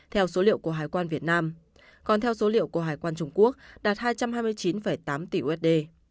theo số liệu của hải quan việt nam còn theo số liệu của hải quan trung quốc đạt hai trăm hai mươi chín tám tỷ usd